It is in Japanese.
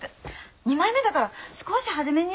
二枚目だから少し派手めに。